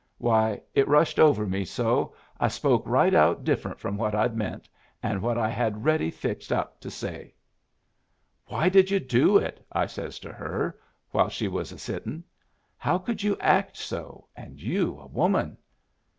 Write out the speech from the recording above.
Why, it rushed over me so I spoke right out different from what I'd meant and what I had ready fixed up to say. "'Why did you do it?' I says to her, while she was a sitting. 'How could you act so, and you a woman?'